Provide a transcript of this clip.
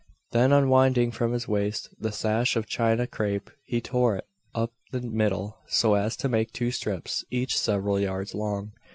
Then unwinding from his waist the sash of china crape, he tore it up the middle, so as to make two strips, each several yards long.